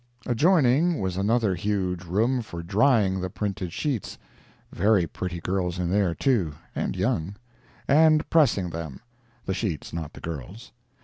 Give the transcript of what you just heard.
Adjoining was another huge room for drying the printed sheets, (very pretty girls in there, too, and young,) and pressing them, (the sheets, not the girls.)